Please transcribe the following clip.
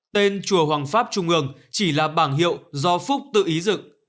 tên chùa hoàng pháp trung ương chỉ là bảng hiệu do phúc tự ý dựng